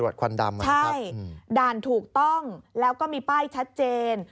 ใช่ด่านถูกต้องแล้วก็มีป้ายชัดเจน